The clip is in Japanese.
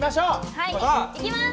はいいきます！